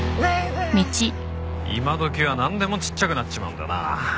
今どきはなんでもちっちゃくなっちまうんだな。